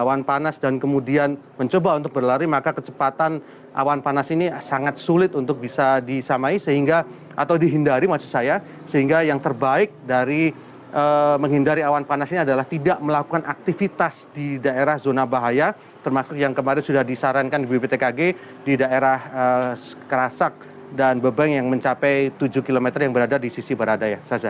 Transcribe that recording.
kalau awan panas dan kemudian mencoba untuk berlari maka kecepatan awan panas ini sangat sulit untuk bisa disamai sehingga atau dihindari maksud saya sehingga yang terbaik dari menghindari awan panas ini adalah tidak melakukan aktivitas di daerah zona bahaya termasuk yang kemarin sudah disarankan bwtkg di daerah kerasak dan bebang yang mencapai tujuh km yang berada di sisi berada ya saza